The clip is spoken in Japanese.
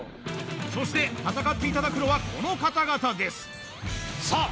そして戦っていただくのはこの方々ですさあ